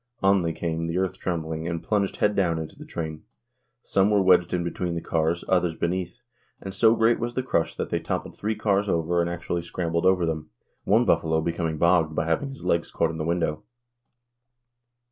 On they came, the earth trembling, and plunged head down into the train. Some were wedged in between the cars, others beneath; and so great was the crush that they toppled three cars over and actually scrambled over them, one buffalo becoming bogged by having his legs caught in the window.